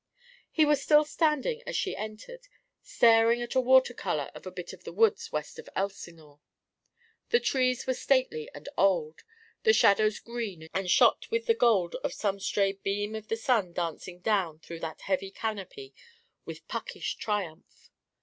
He was still standing as she entered, staring at a water colour of a bit of the woods west of Elsinore. The trees were stately and old, the shadows green and shot with the gold of some stray beam of the sun dancing down through that heavy canopy with Puckish triumph.